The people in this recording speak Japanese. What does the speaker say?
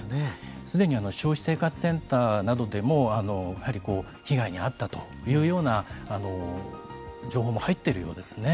すでに消費生活センターなどでもやはり被害に遭ったというような情報も入っているようですね。